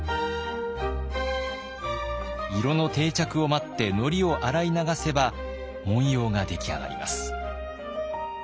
色の定着を待ってのりを洗い流せば紋様が出来上がります。